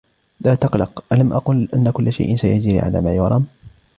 لا تقلق. ألم أقل أن كل شئ سيجري على ما يرام.